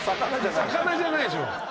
魚じゃないでしょ。